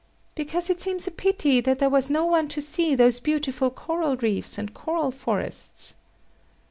Because it seems a pity that there was no one to see those beautiful coral reefs and coal forests.